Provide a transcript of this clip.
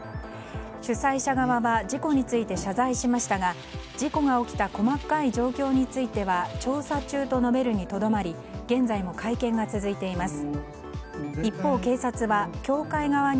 主催者側は事故について謝罪しましたが事故が起きた細かい状況については調査中と述べるにとどまり現在も会見が続いています。